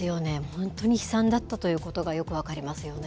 本当に悲惨だったということがよく分かりますよね。